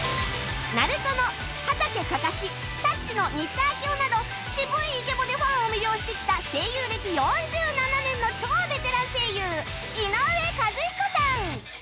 『タッチ』の新田明男など渋いイケボでファンを魅了してきた声優歴４７年の超ベテラン声優井上和彦さん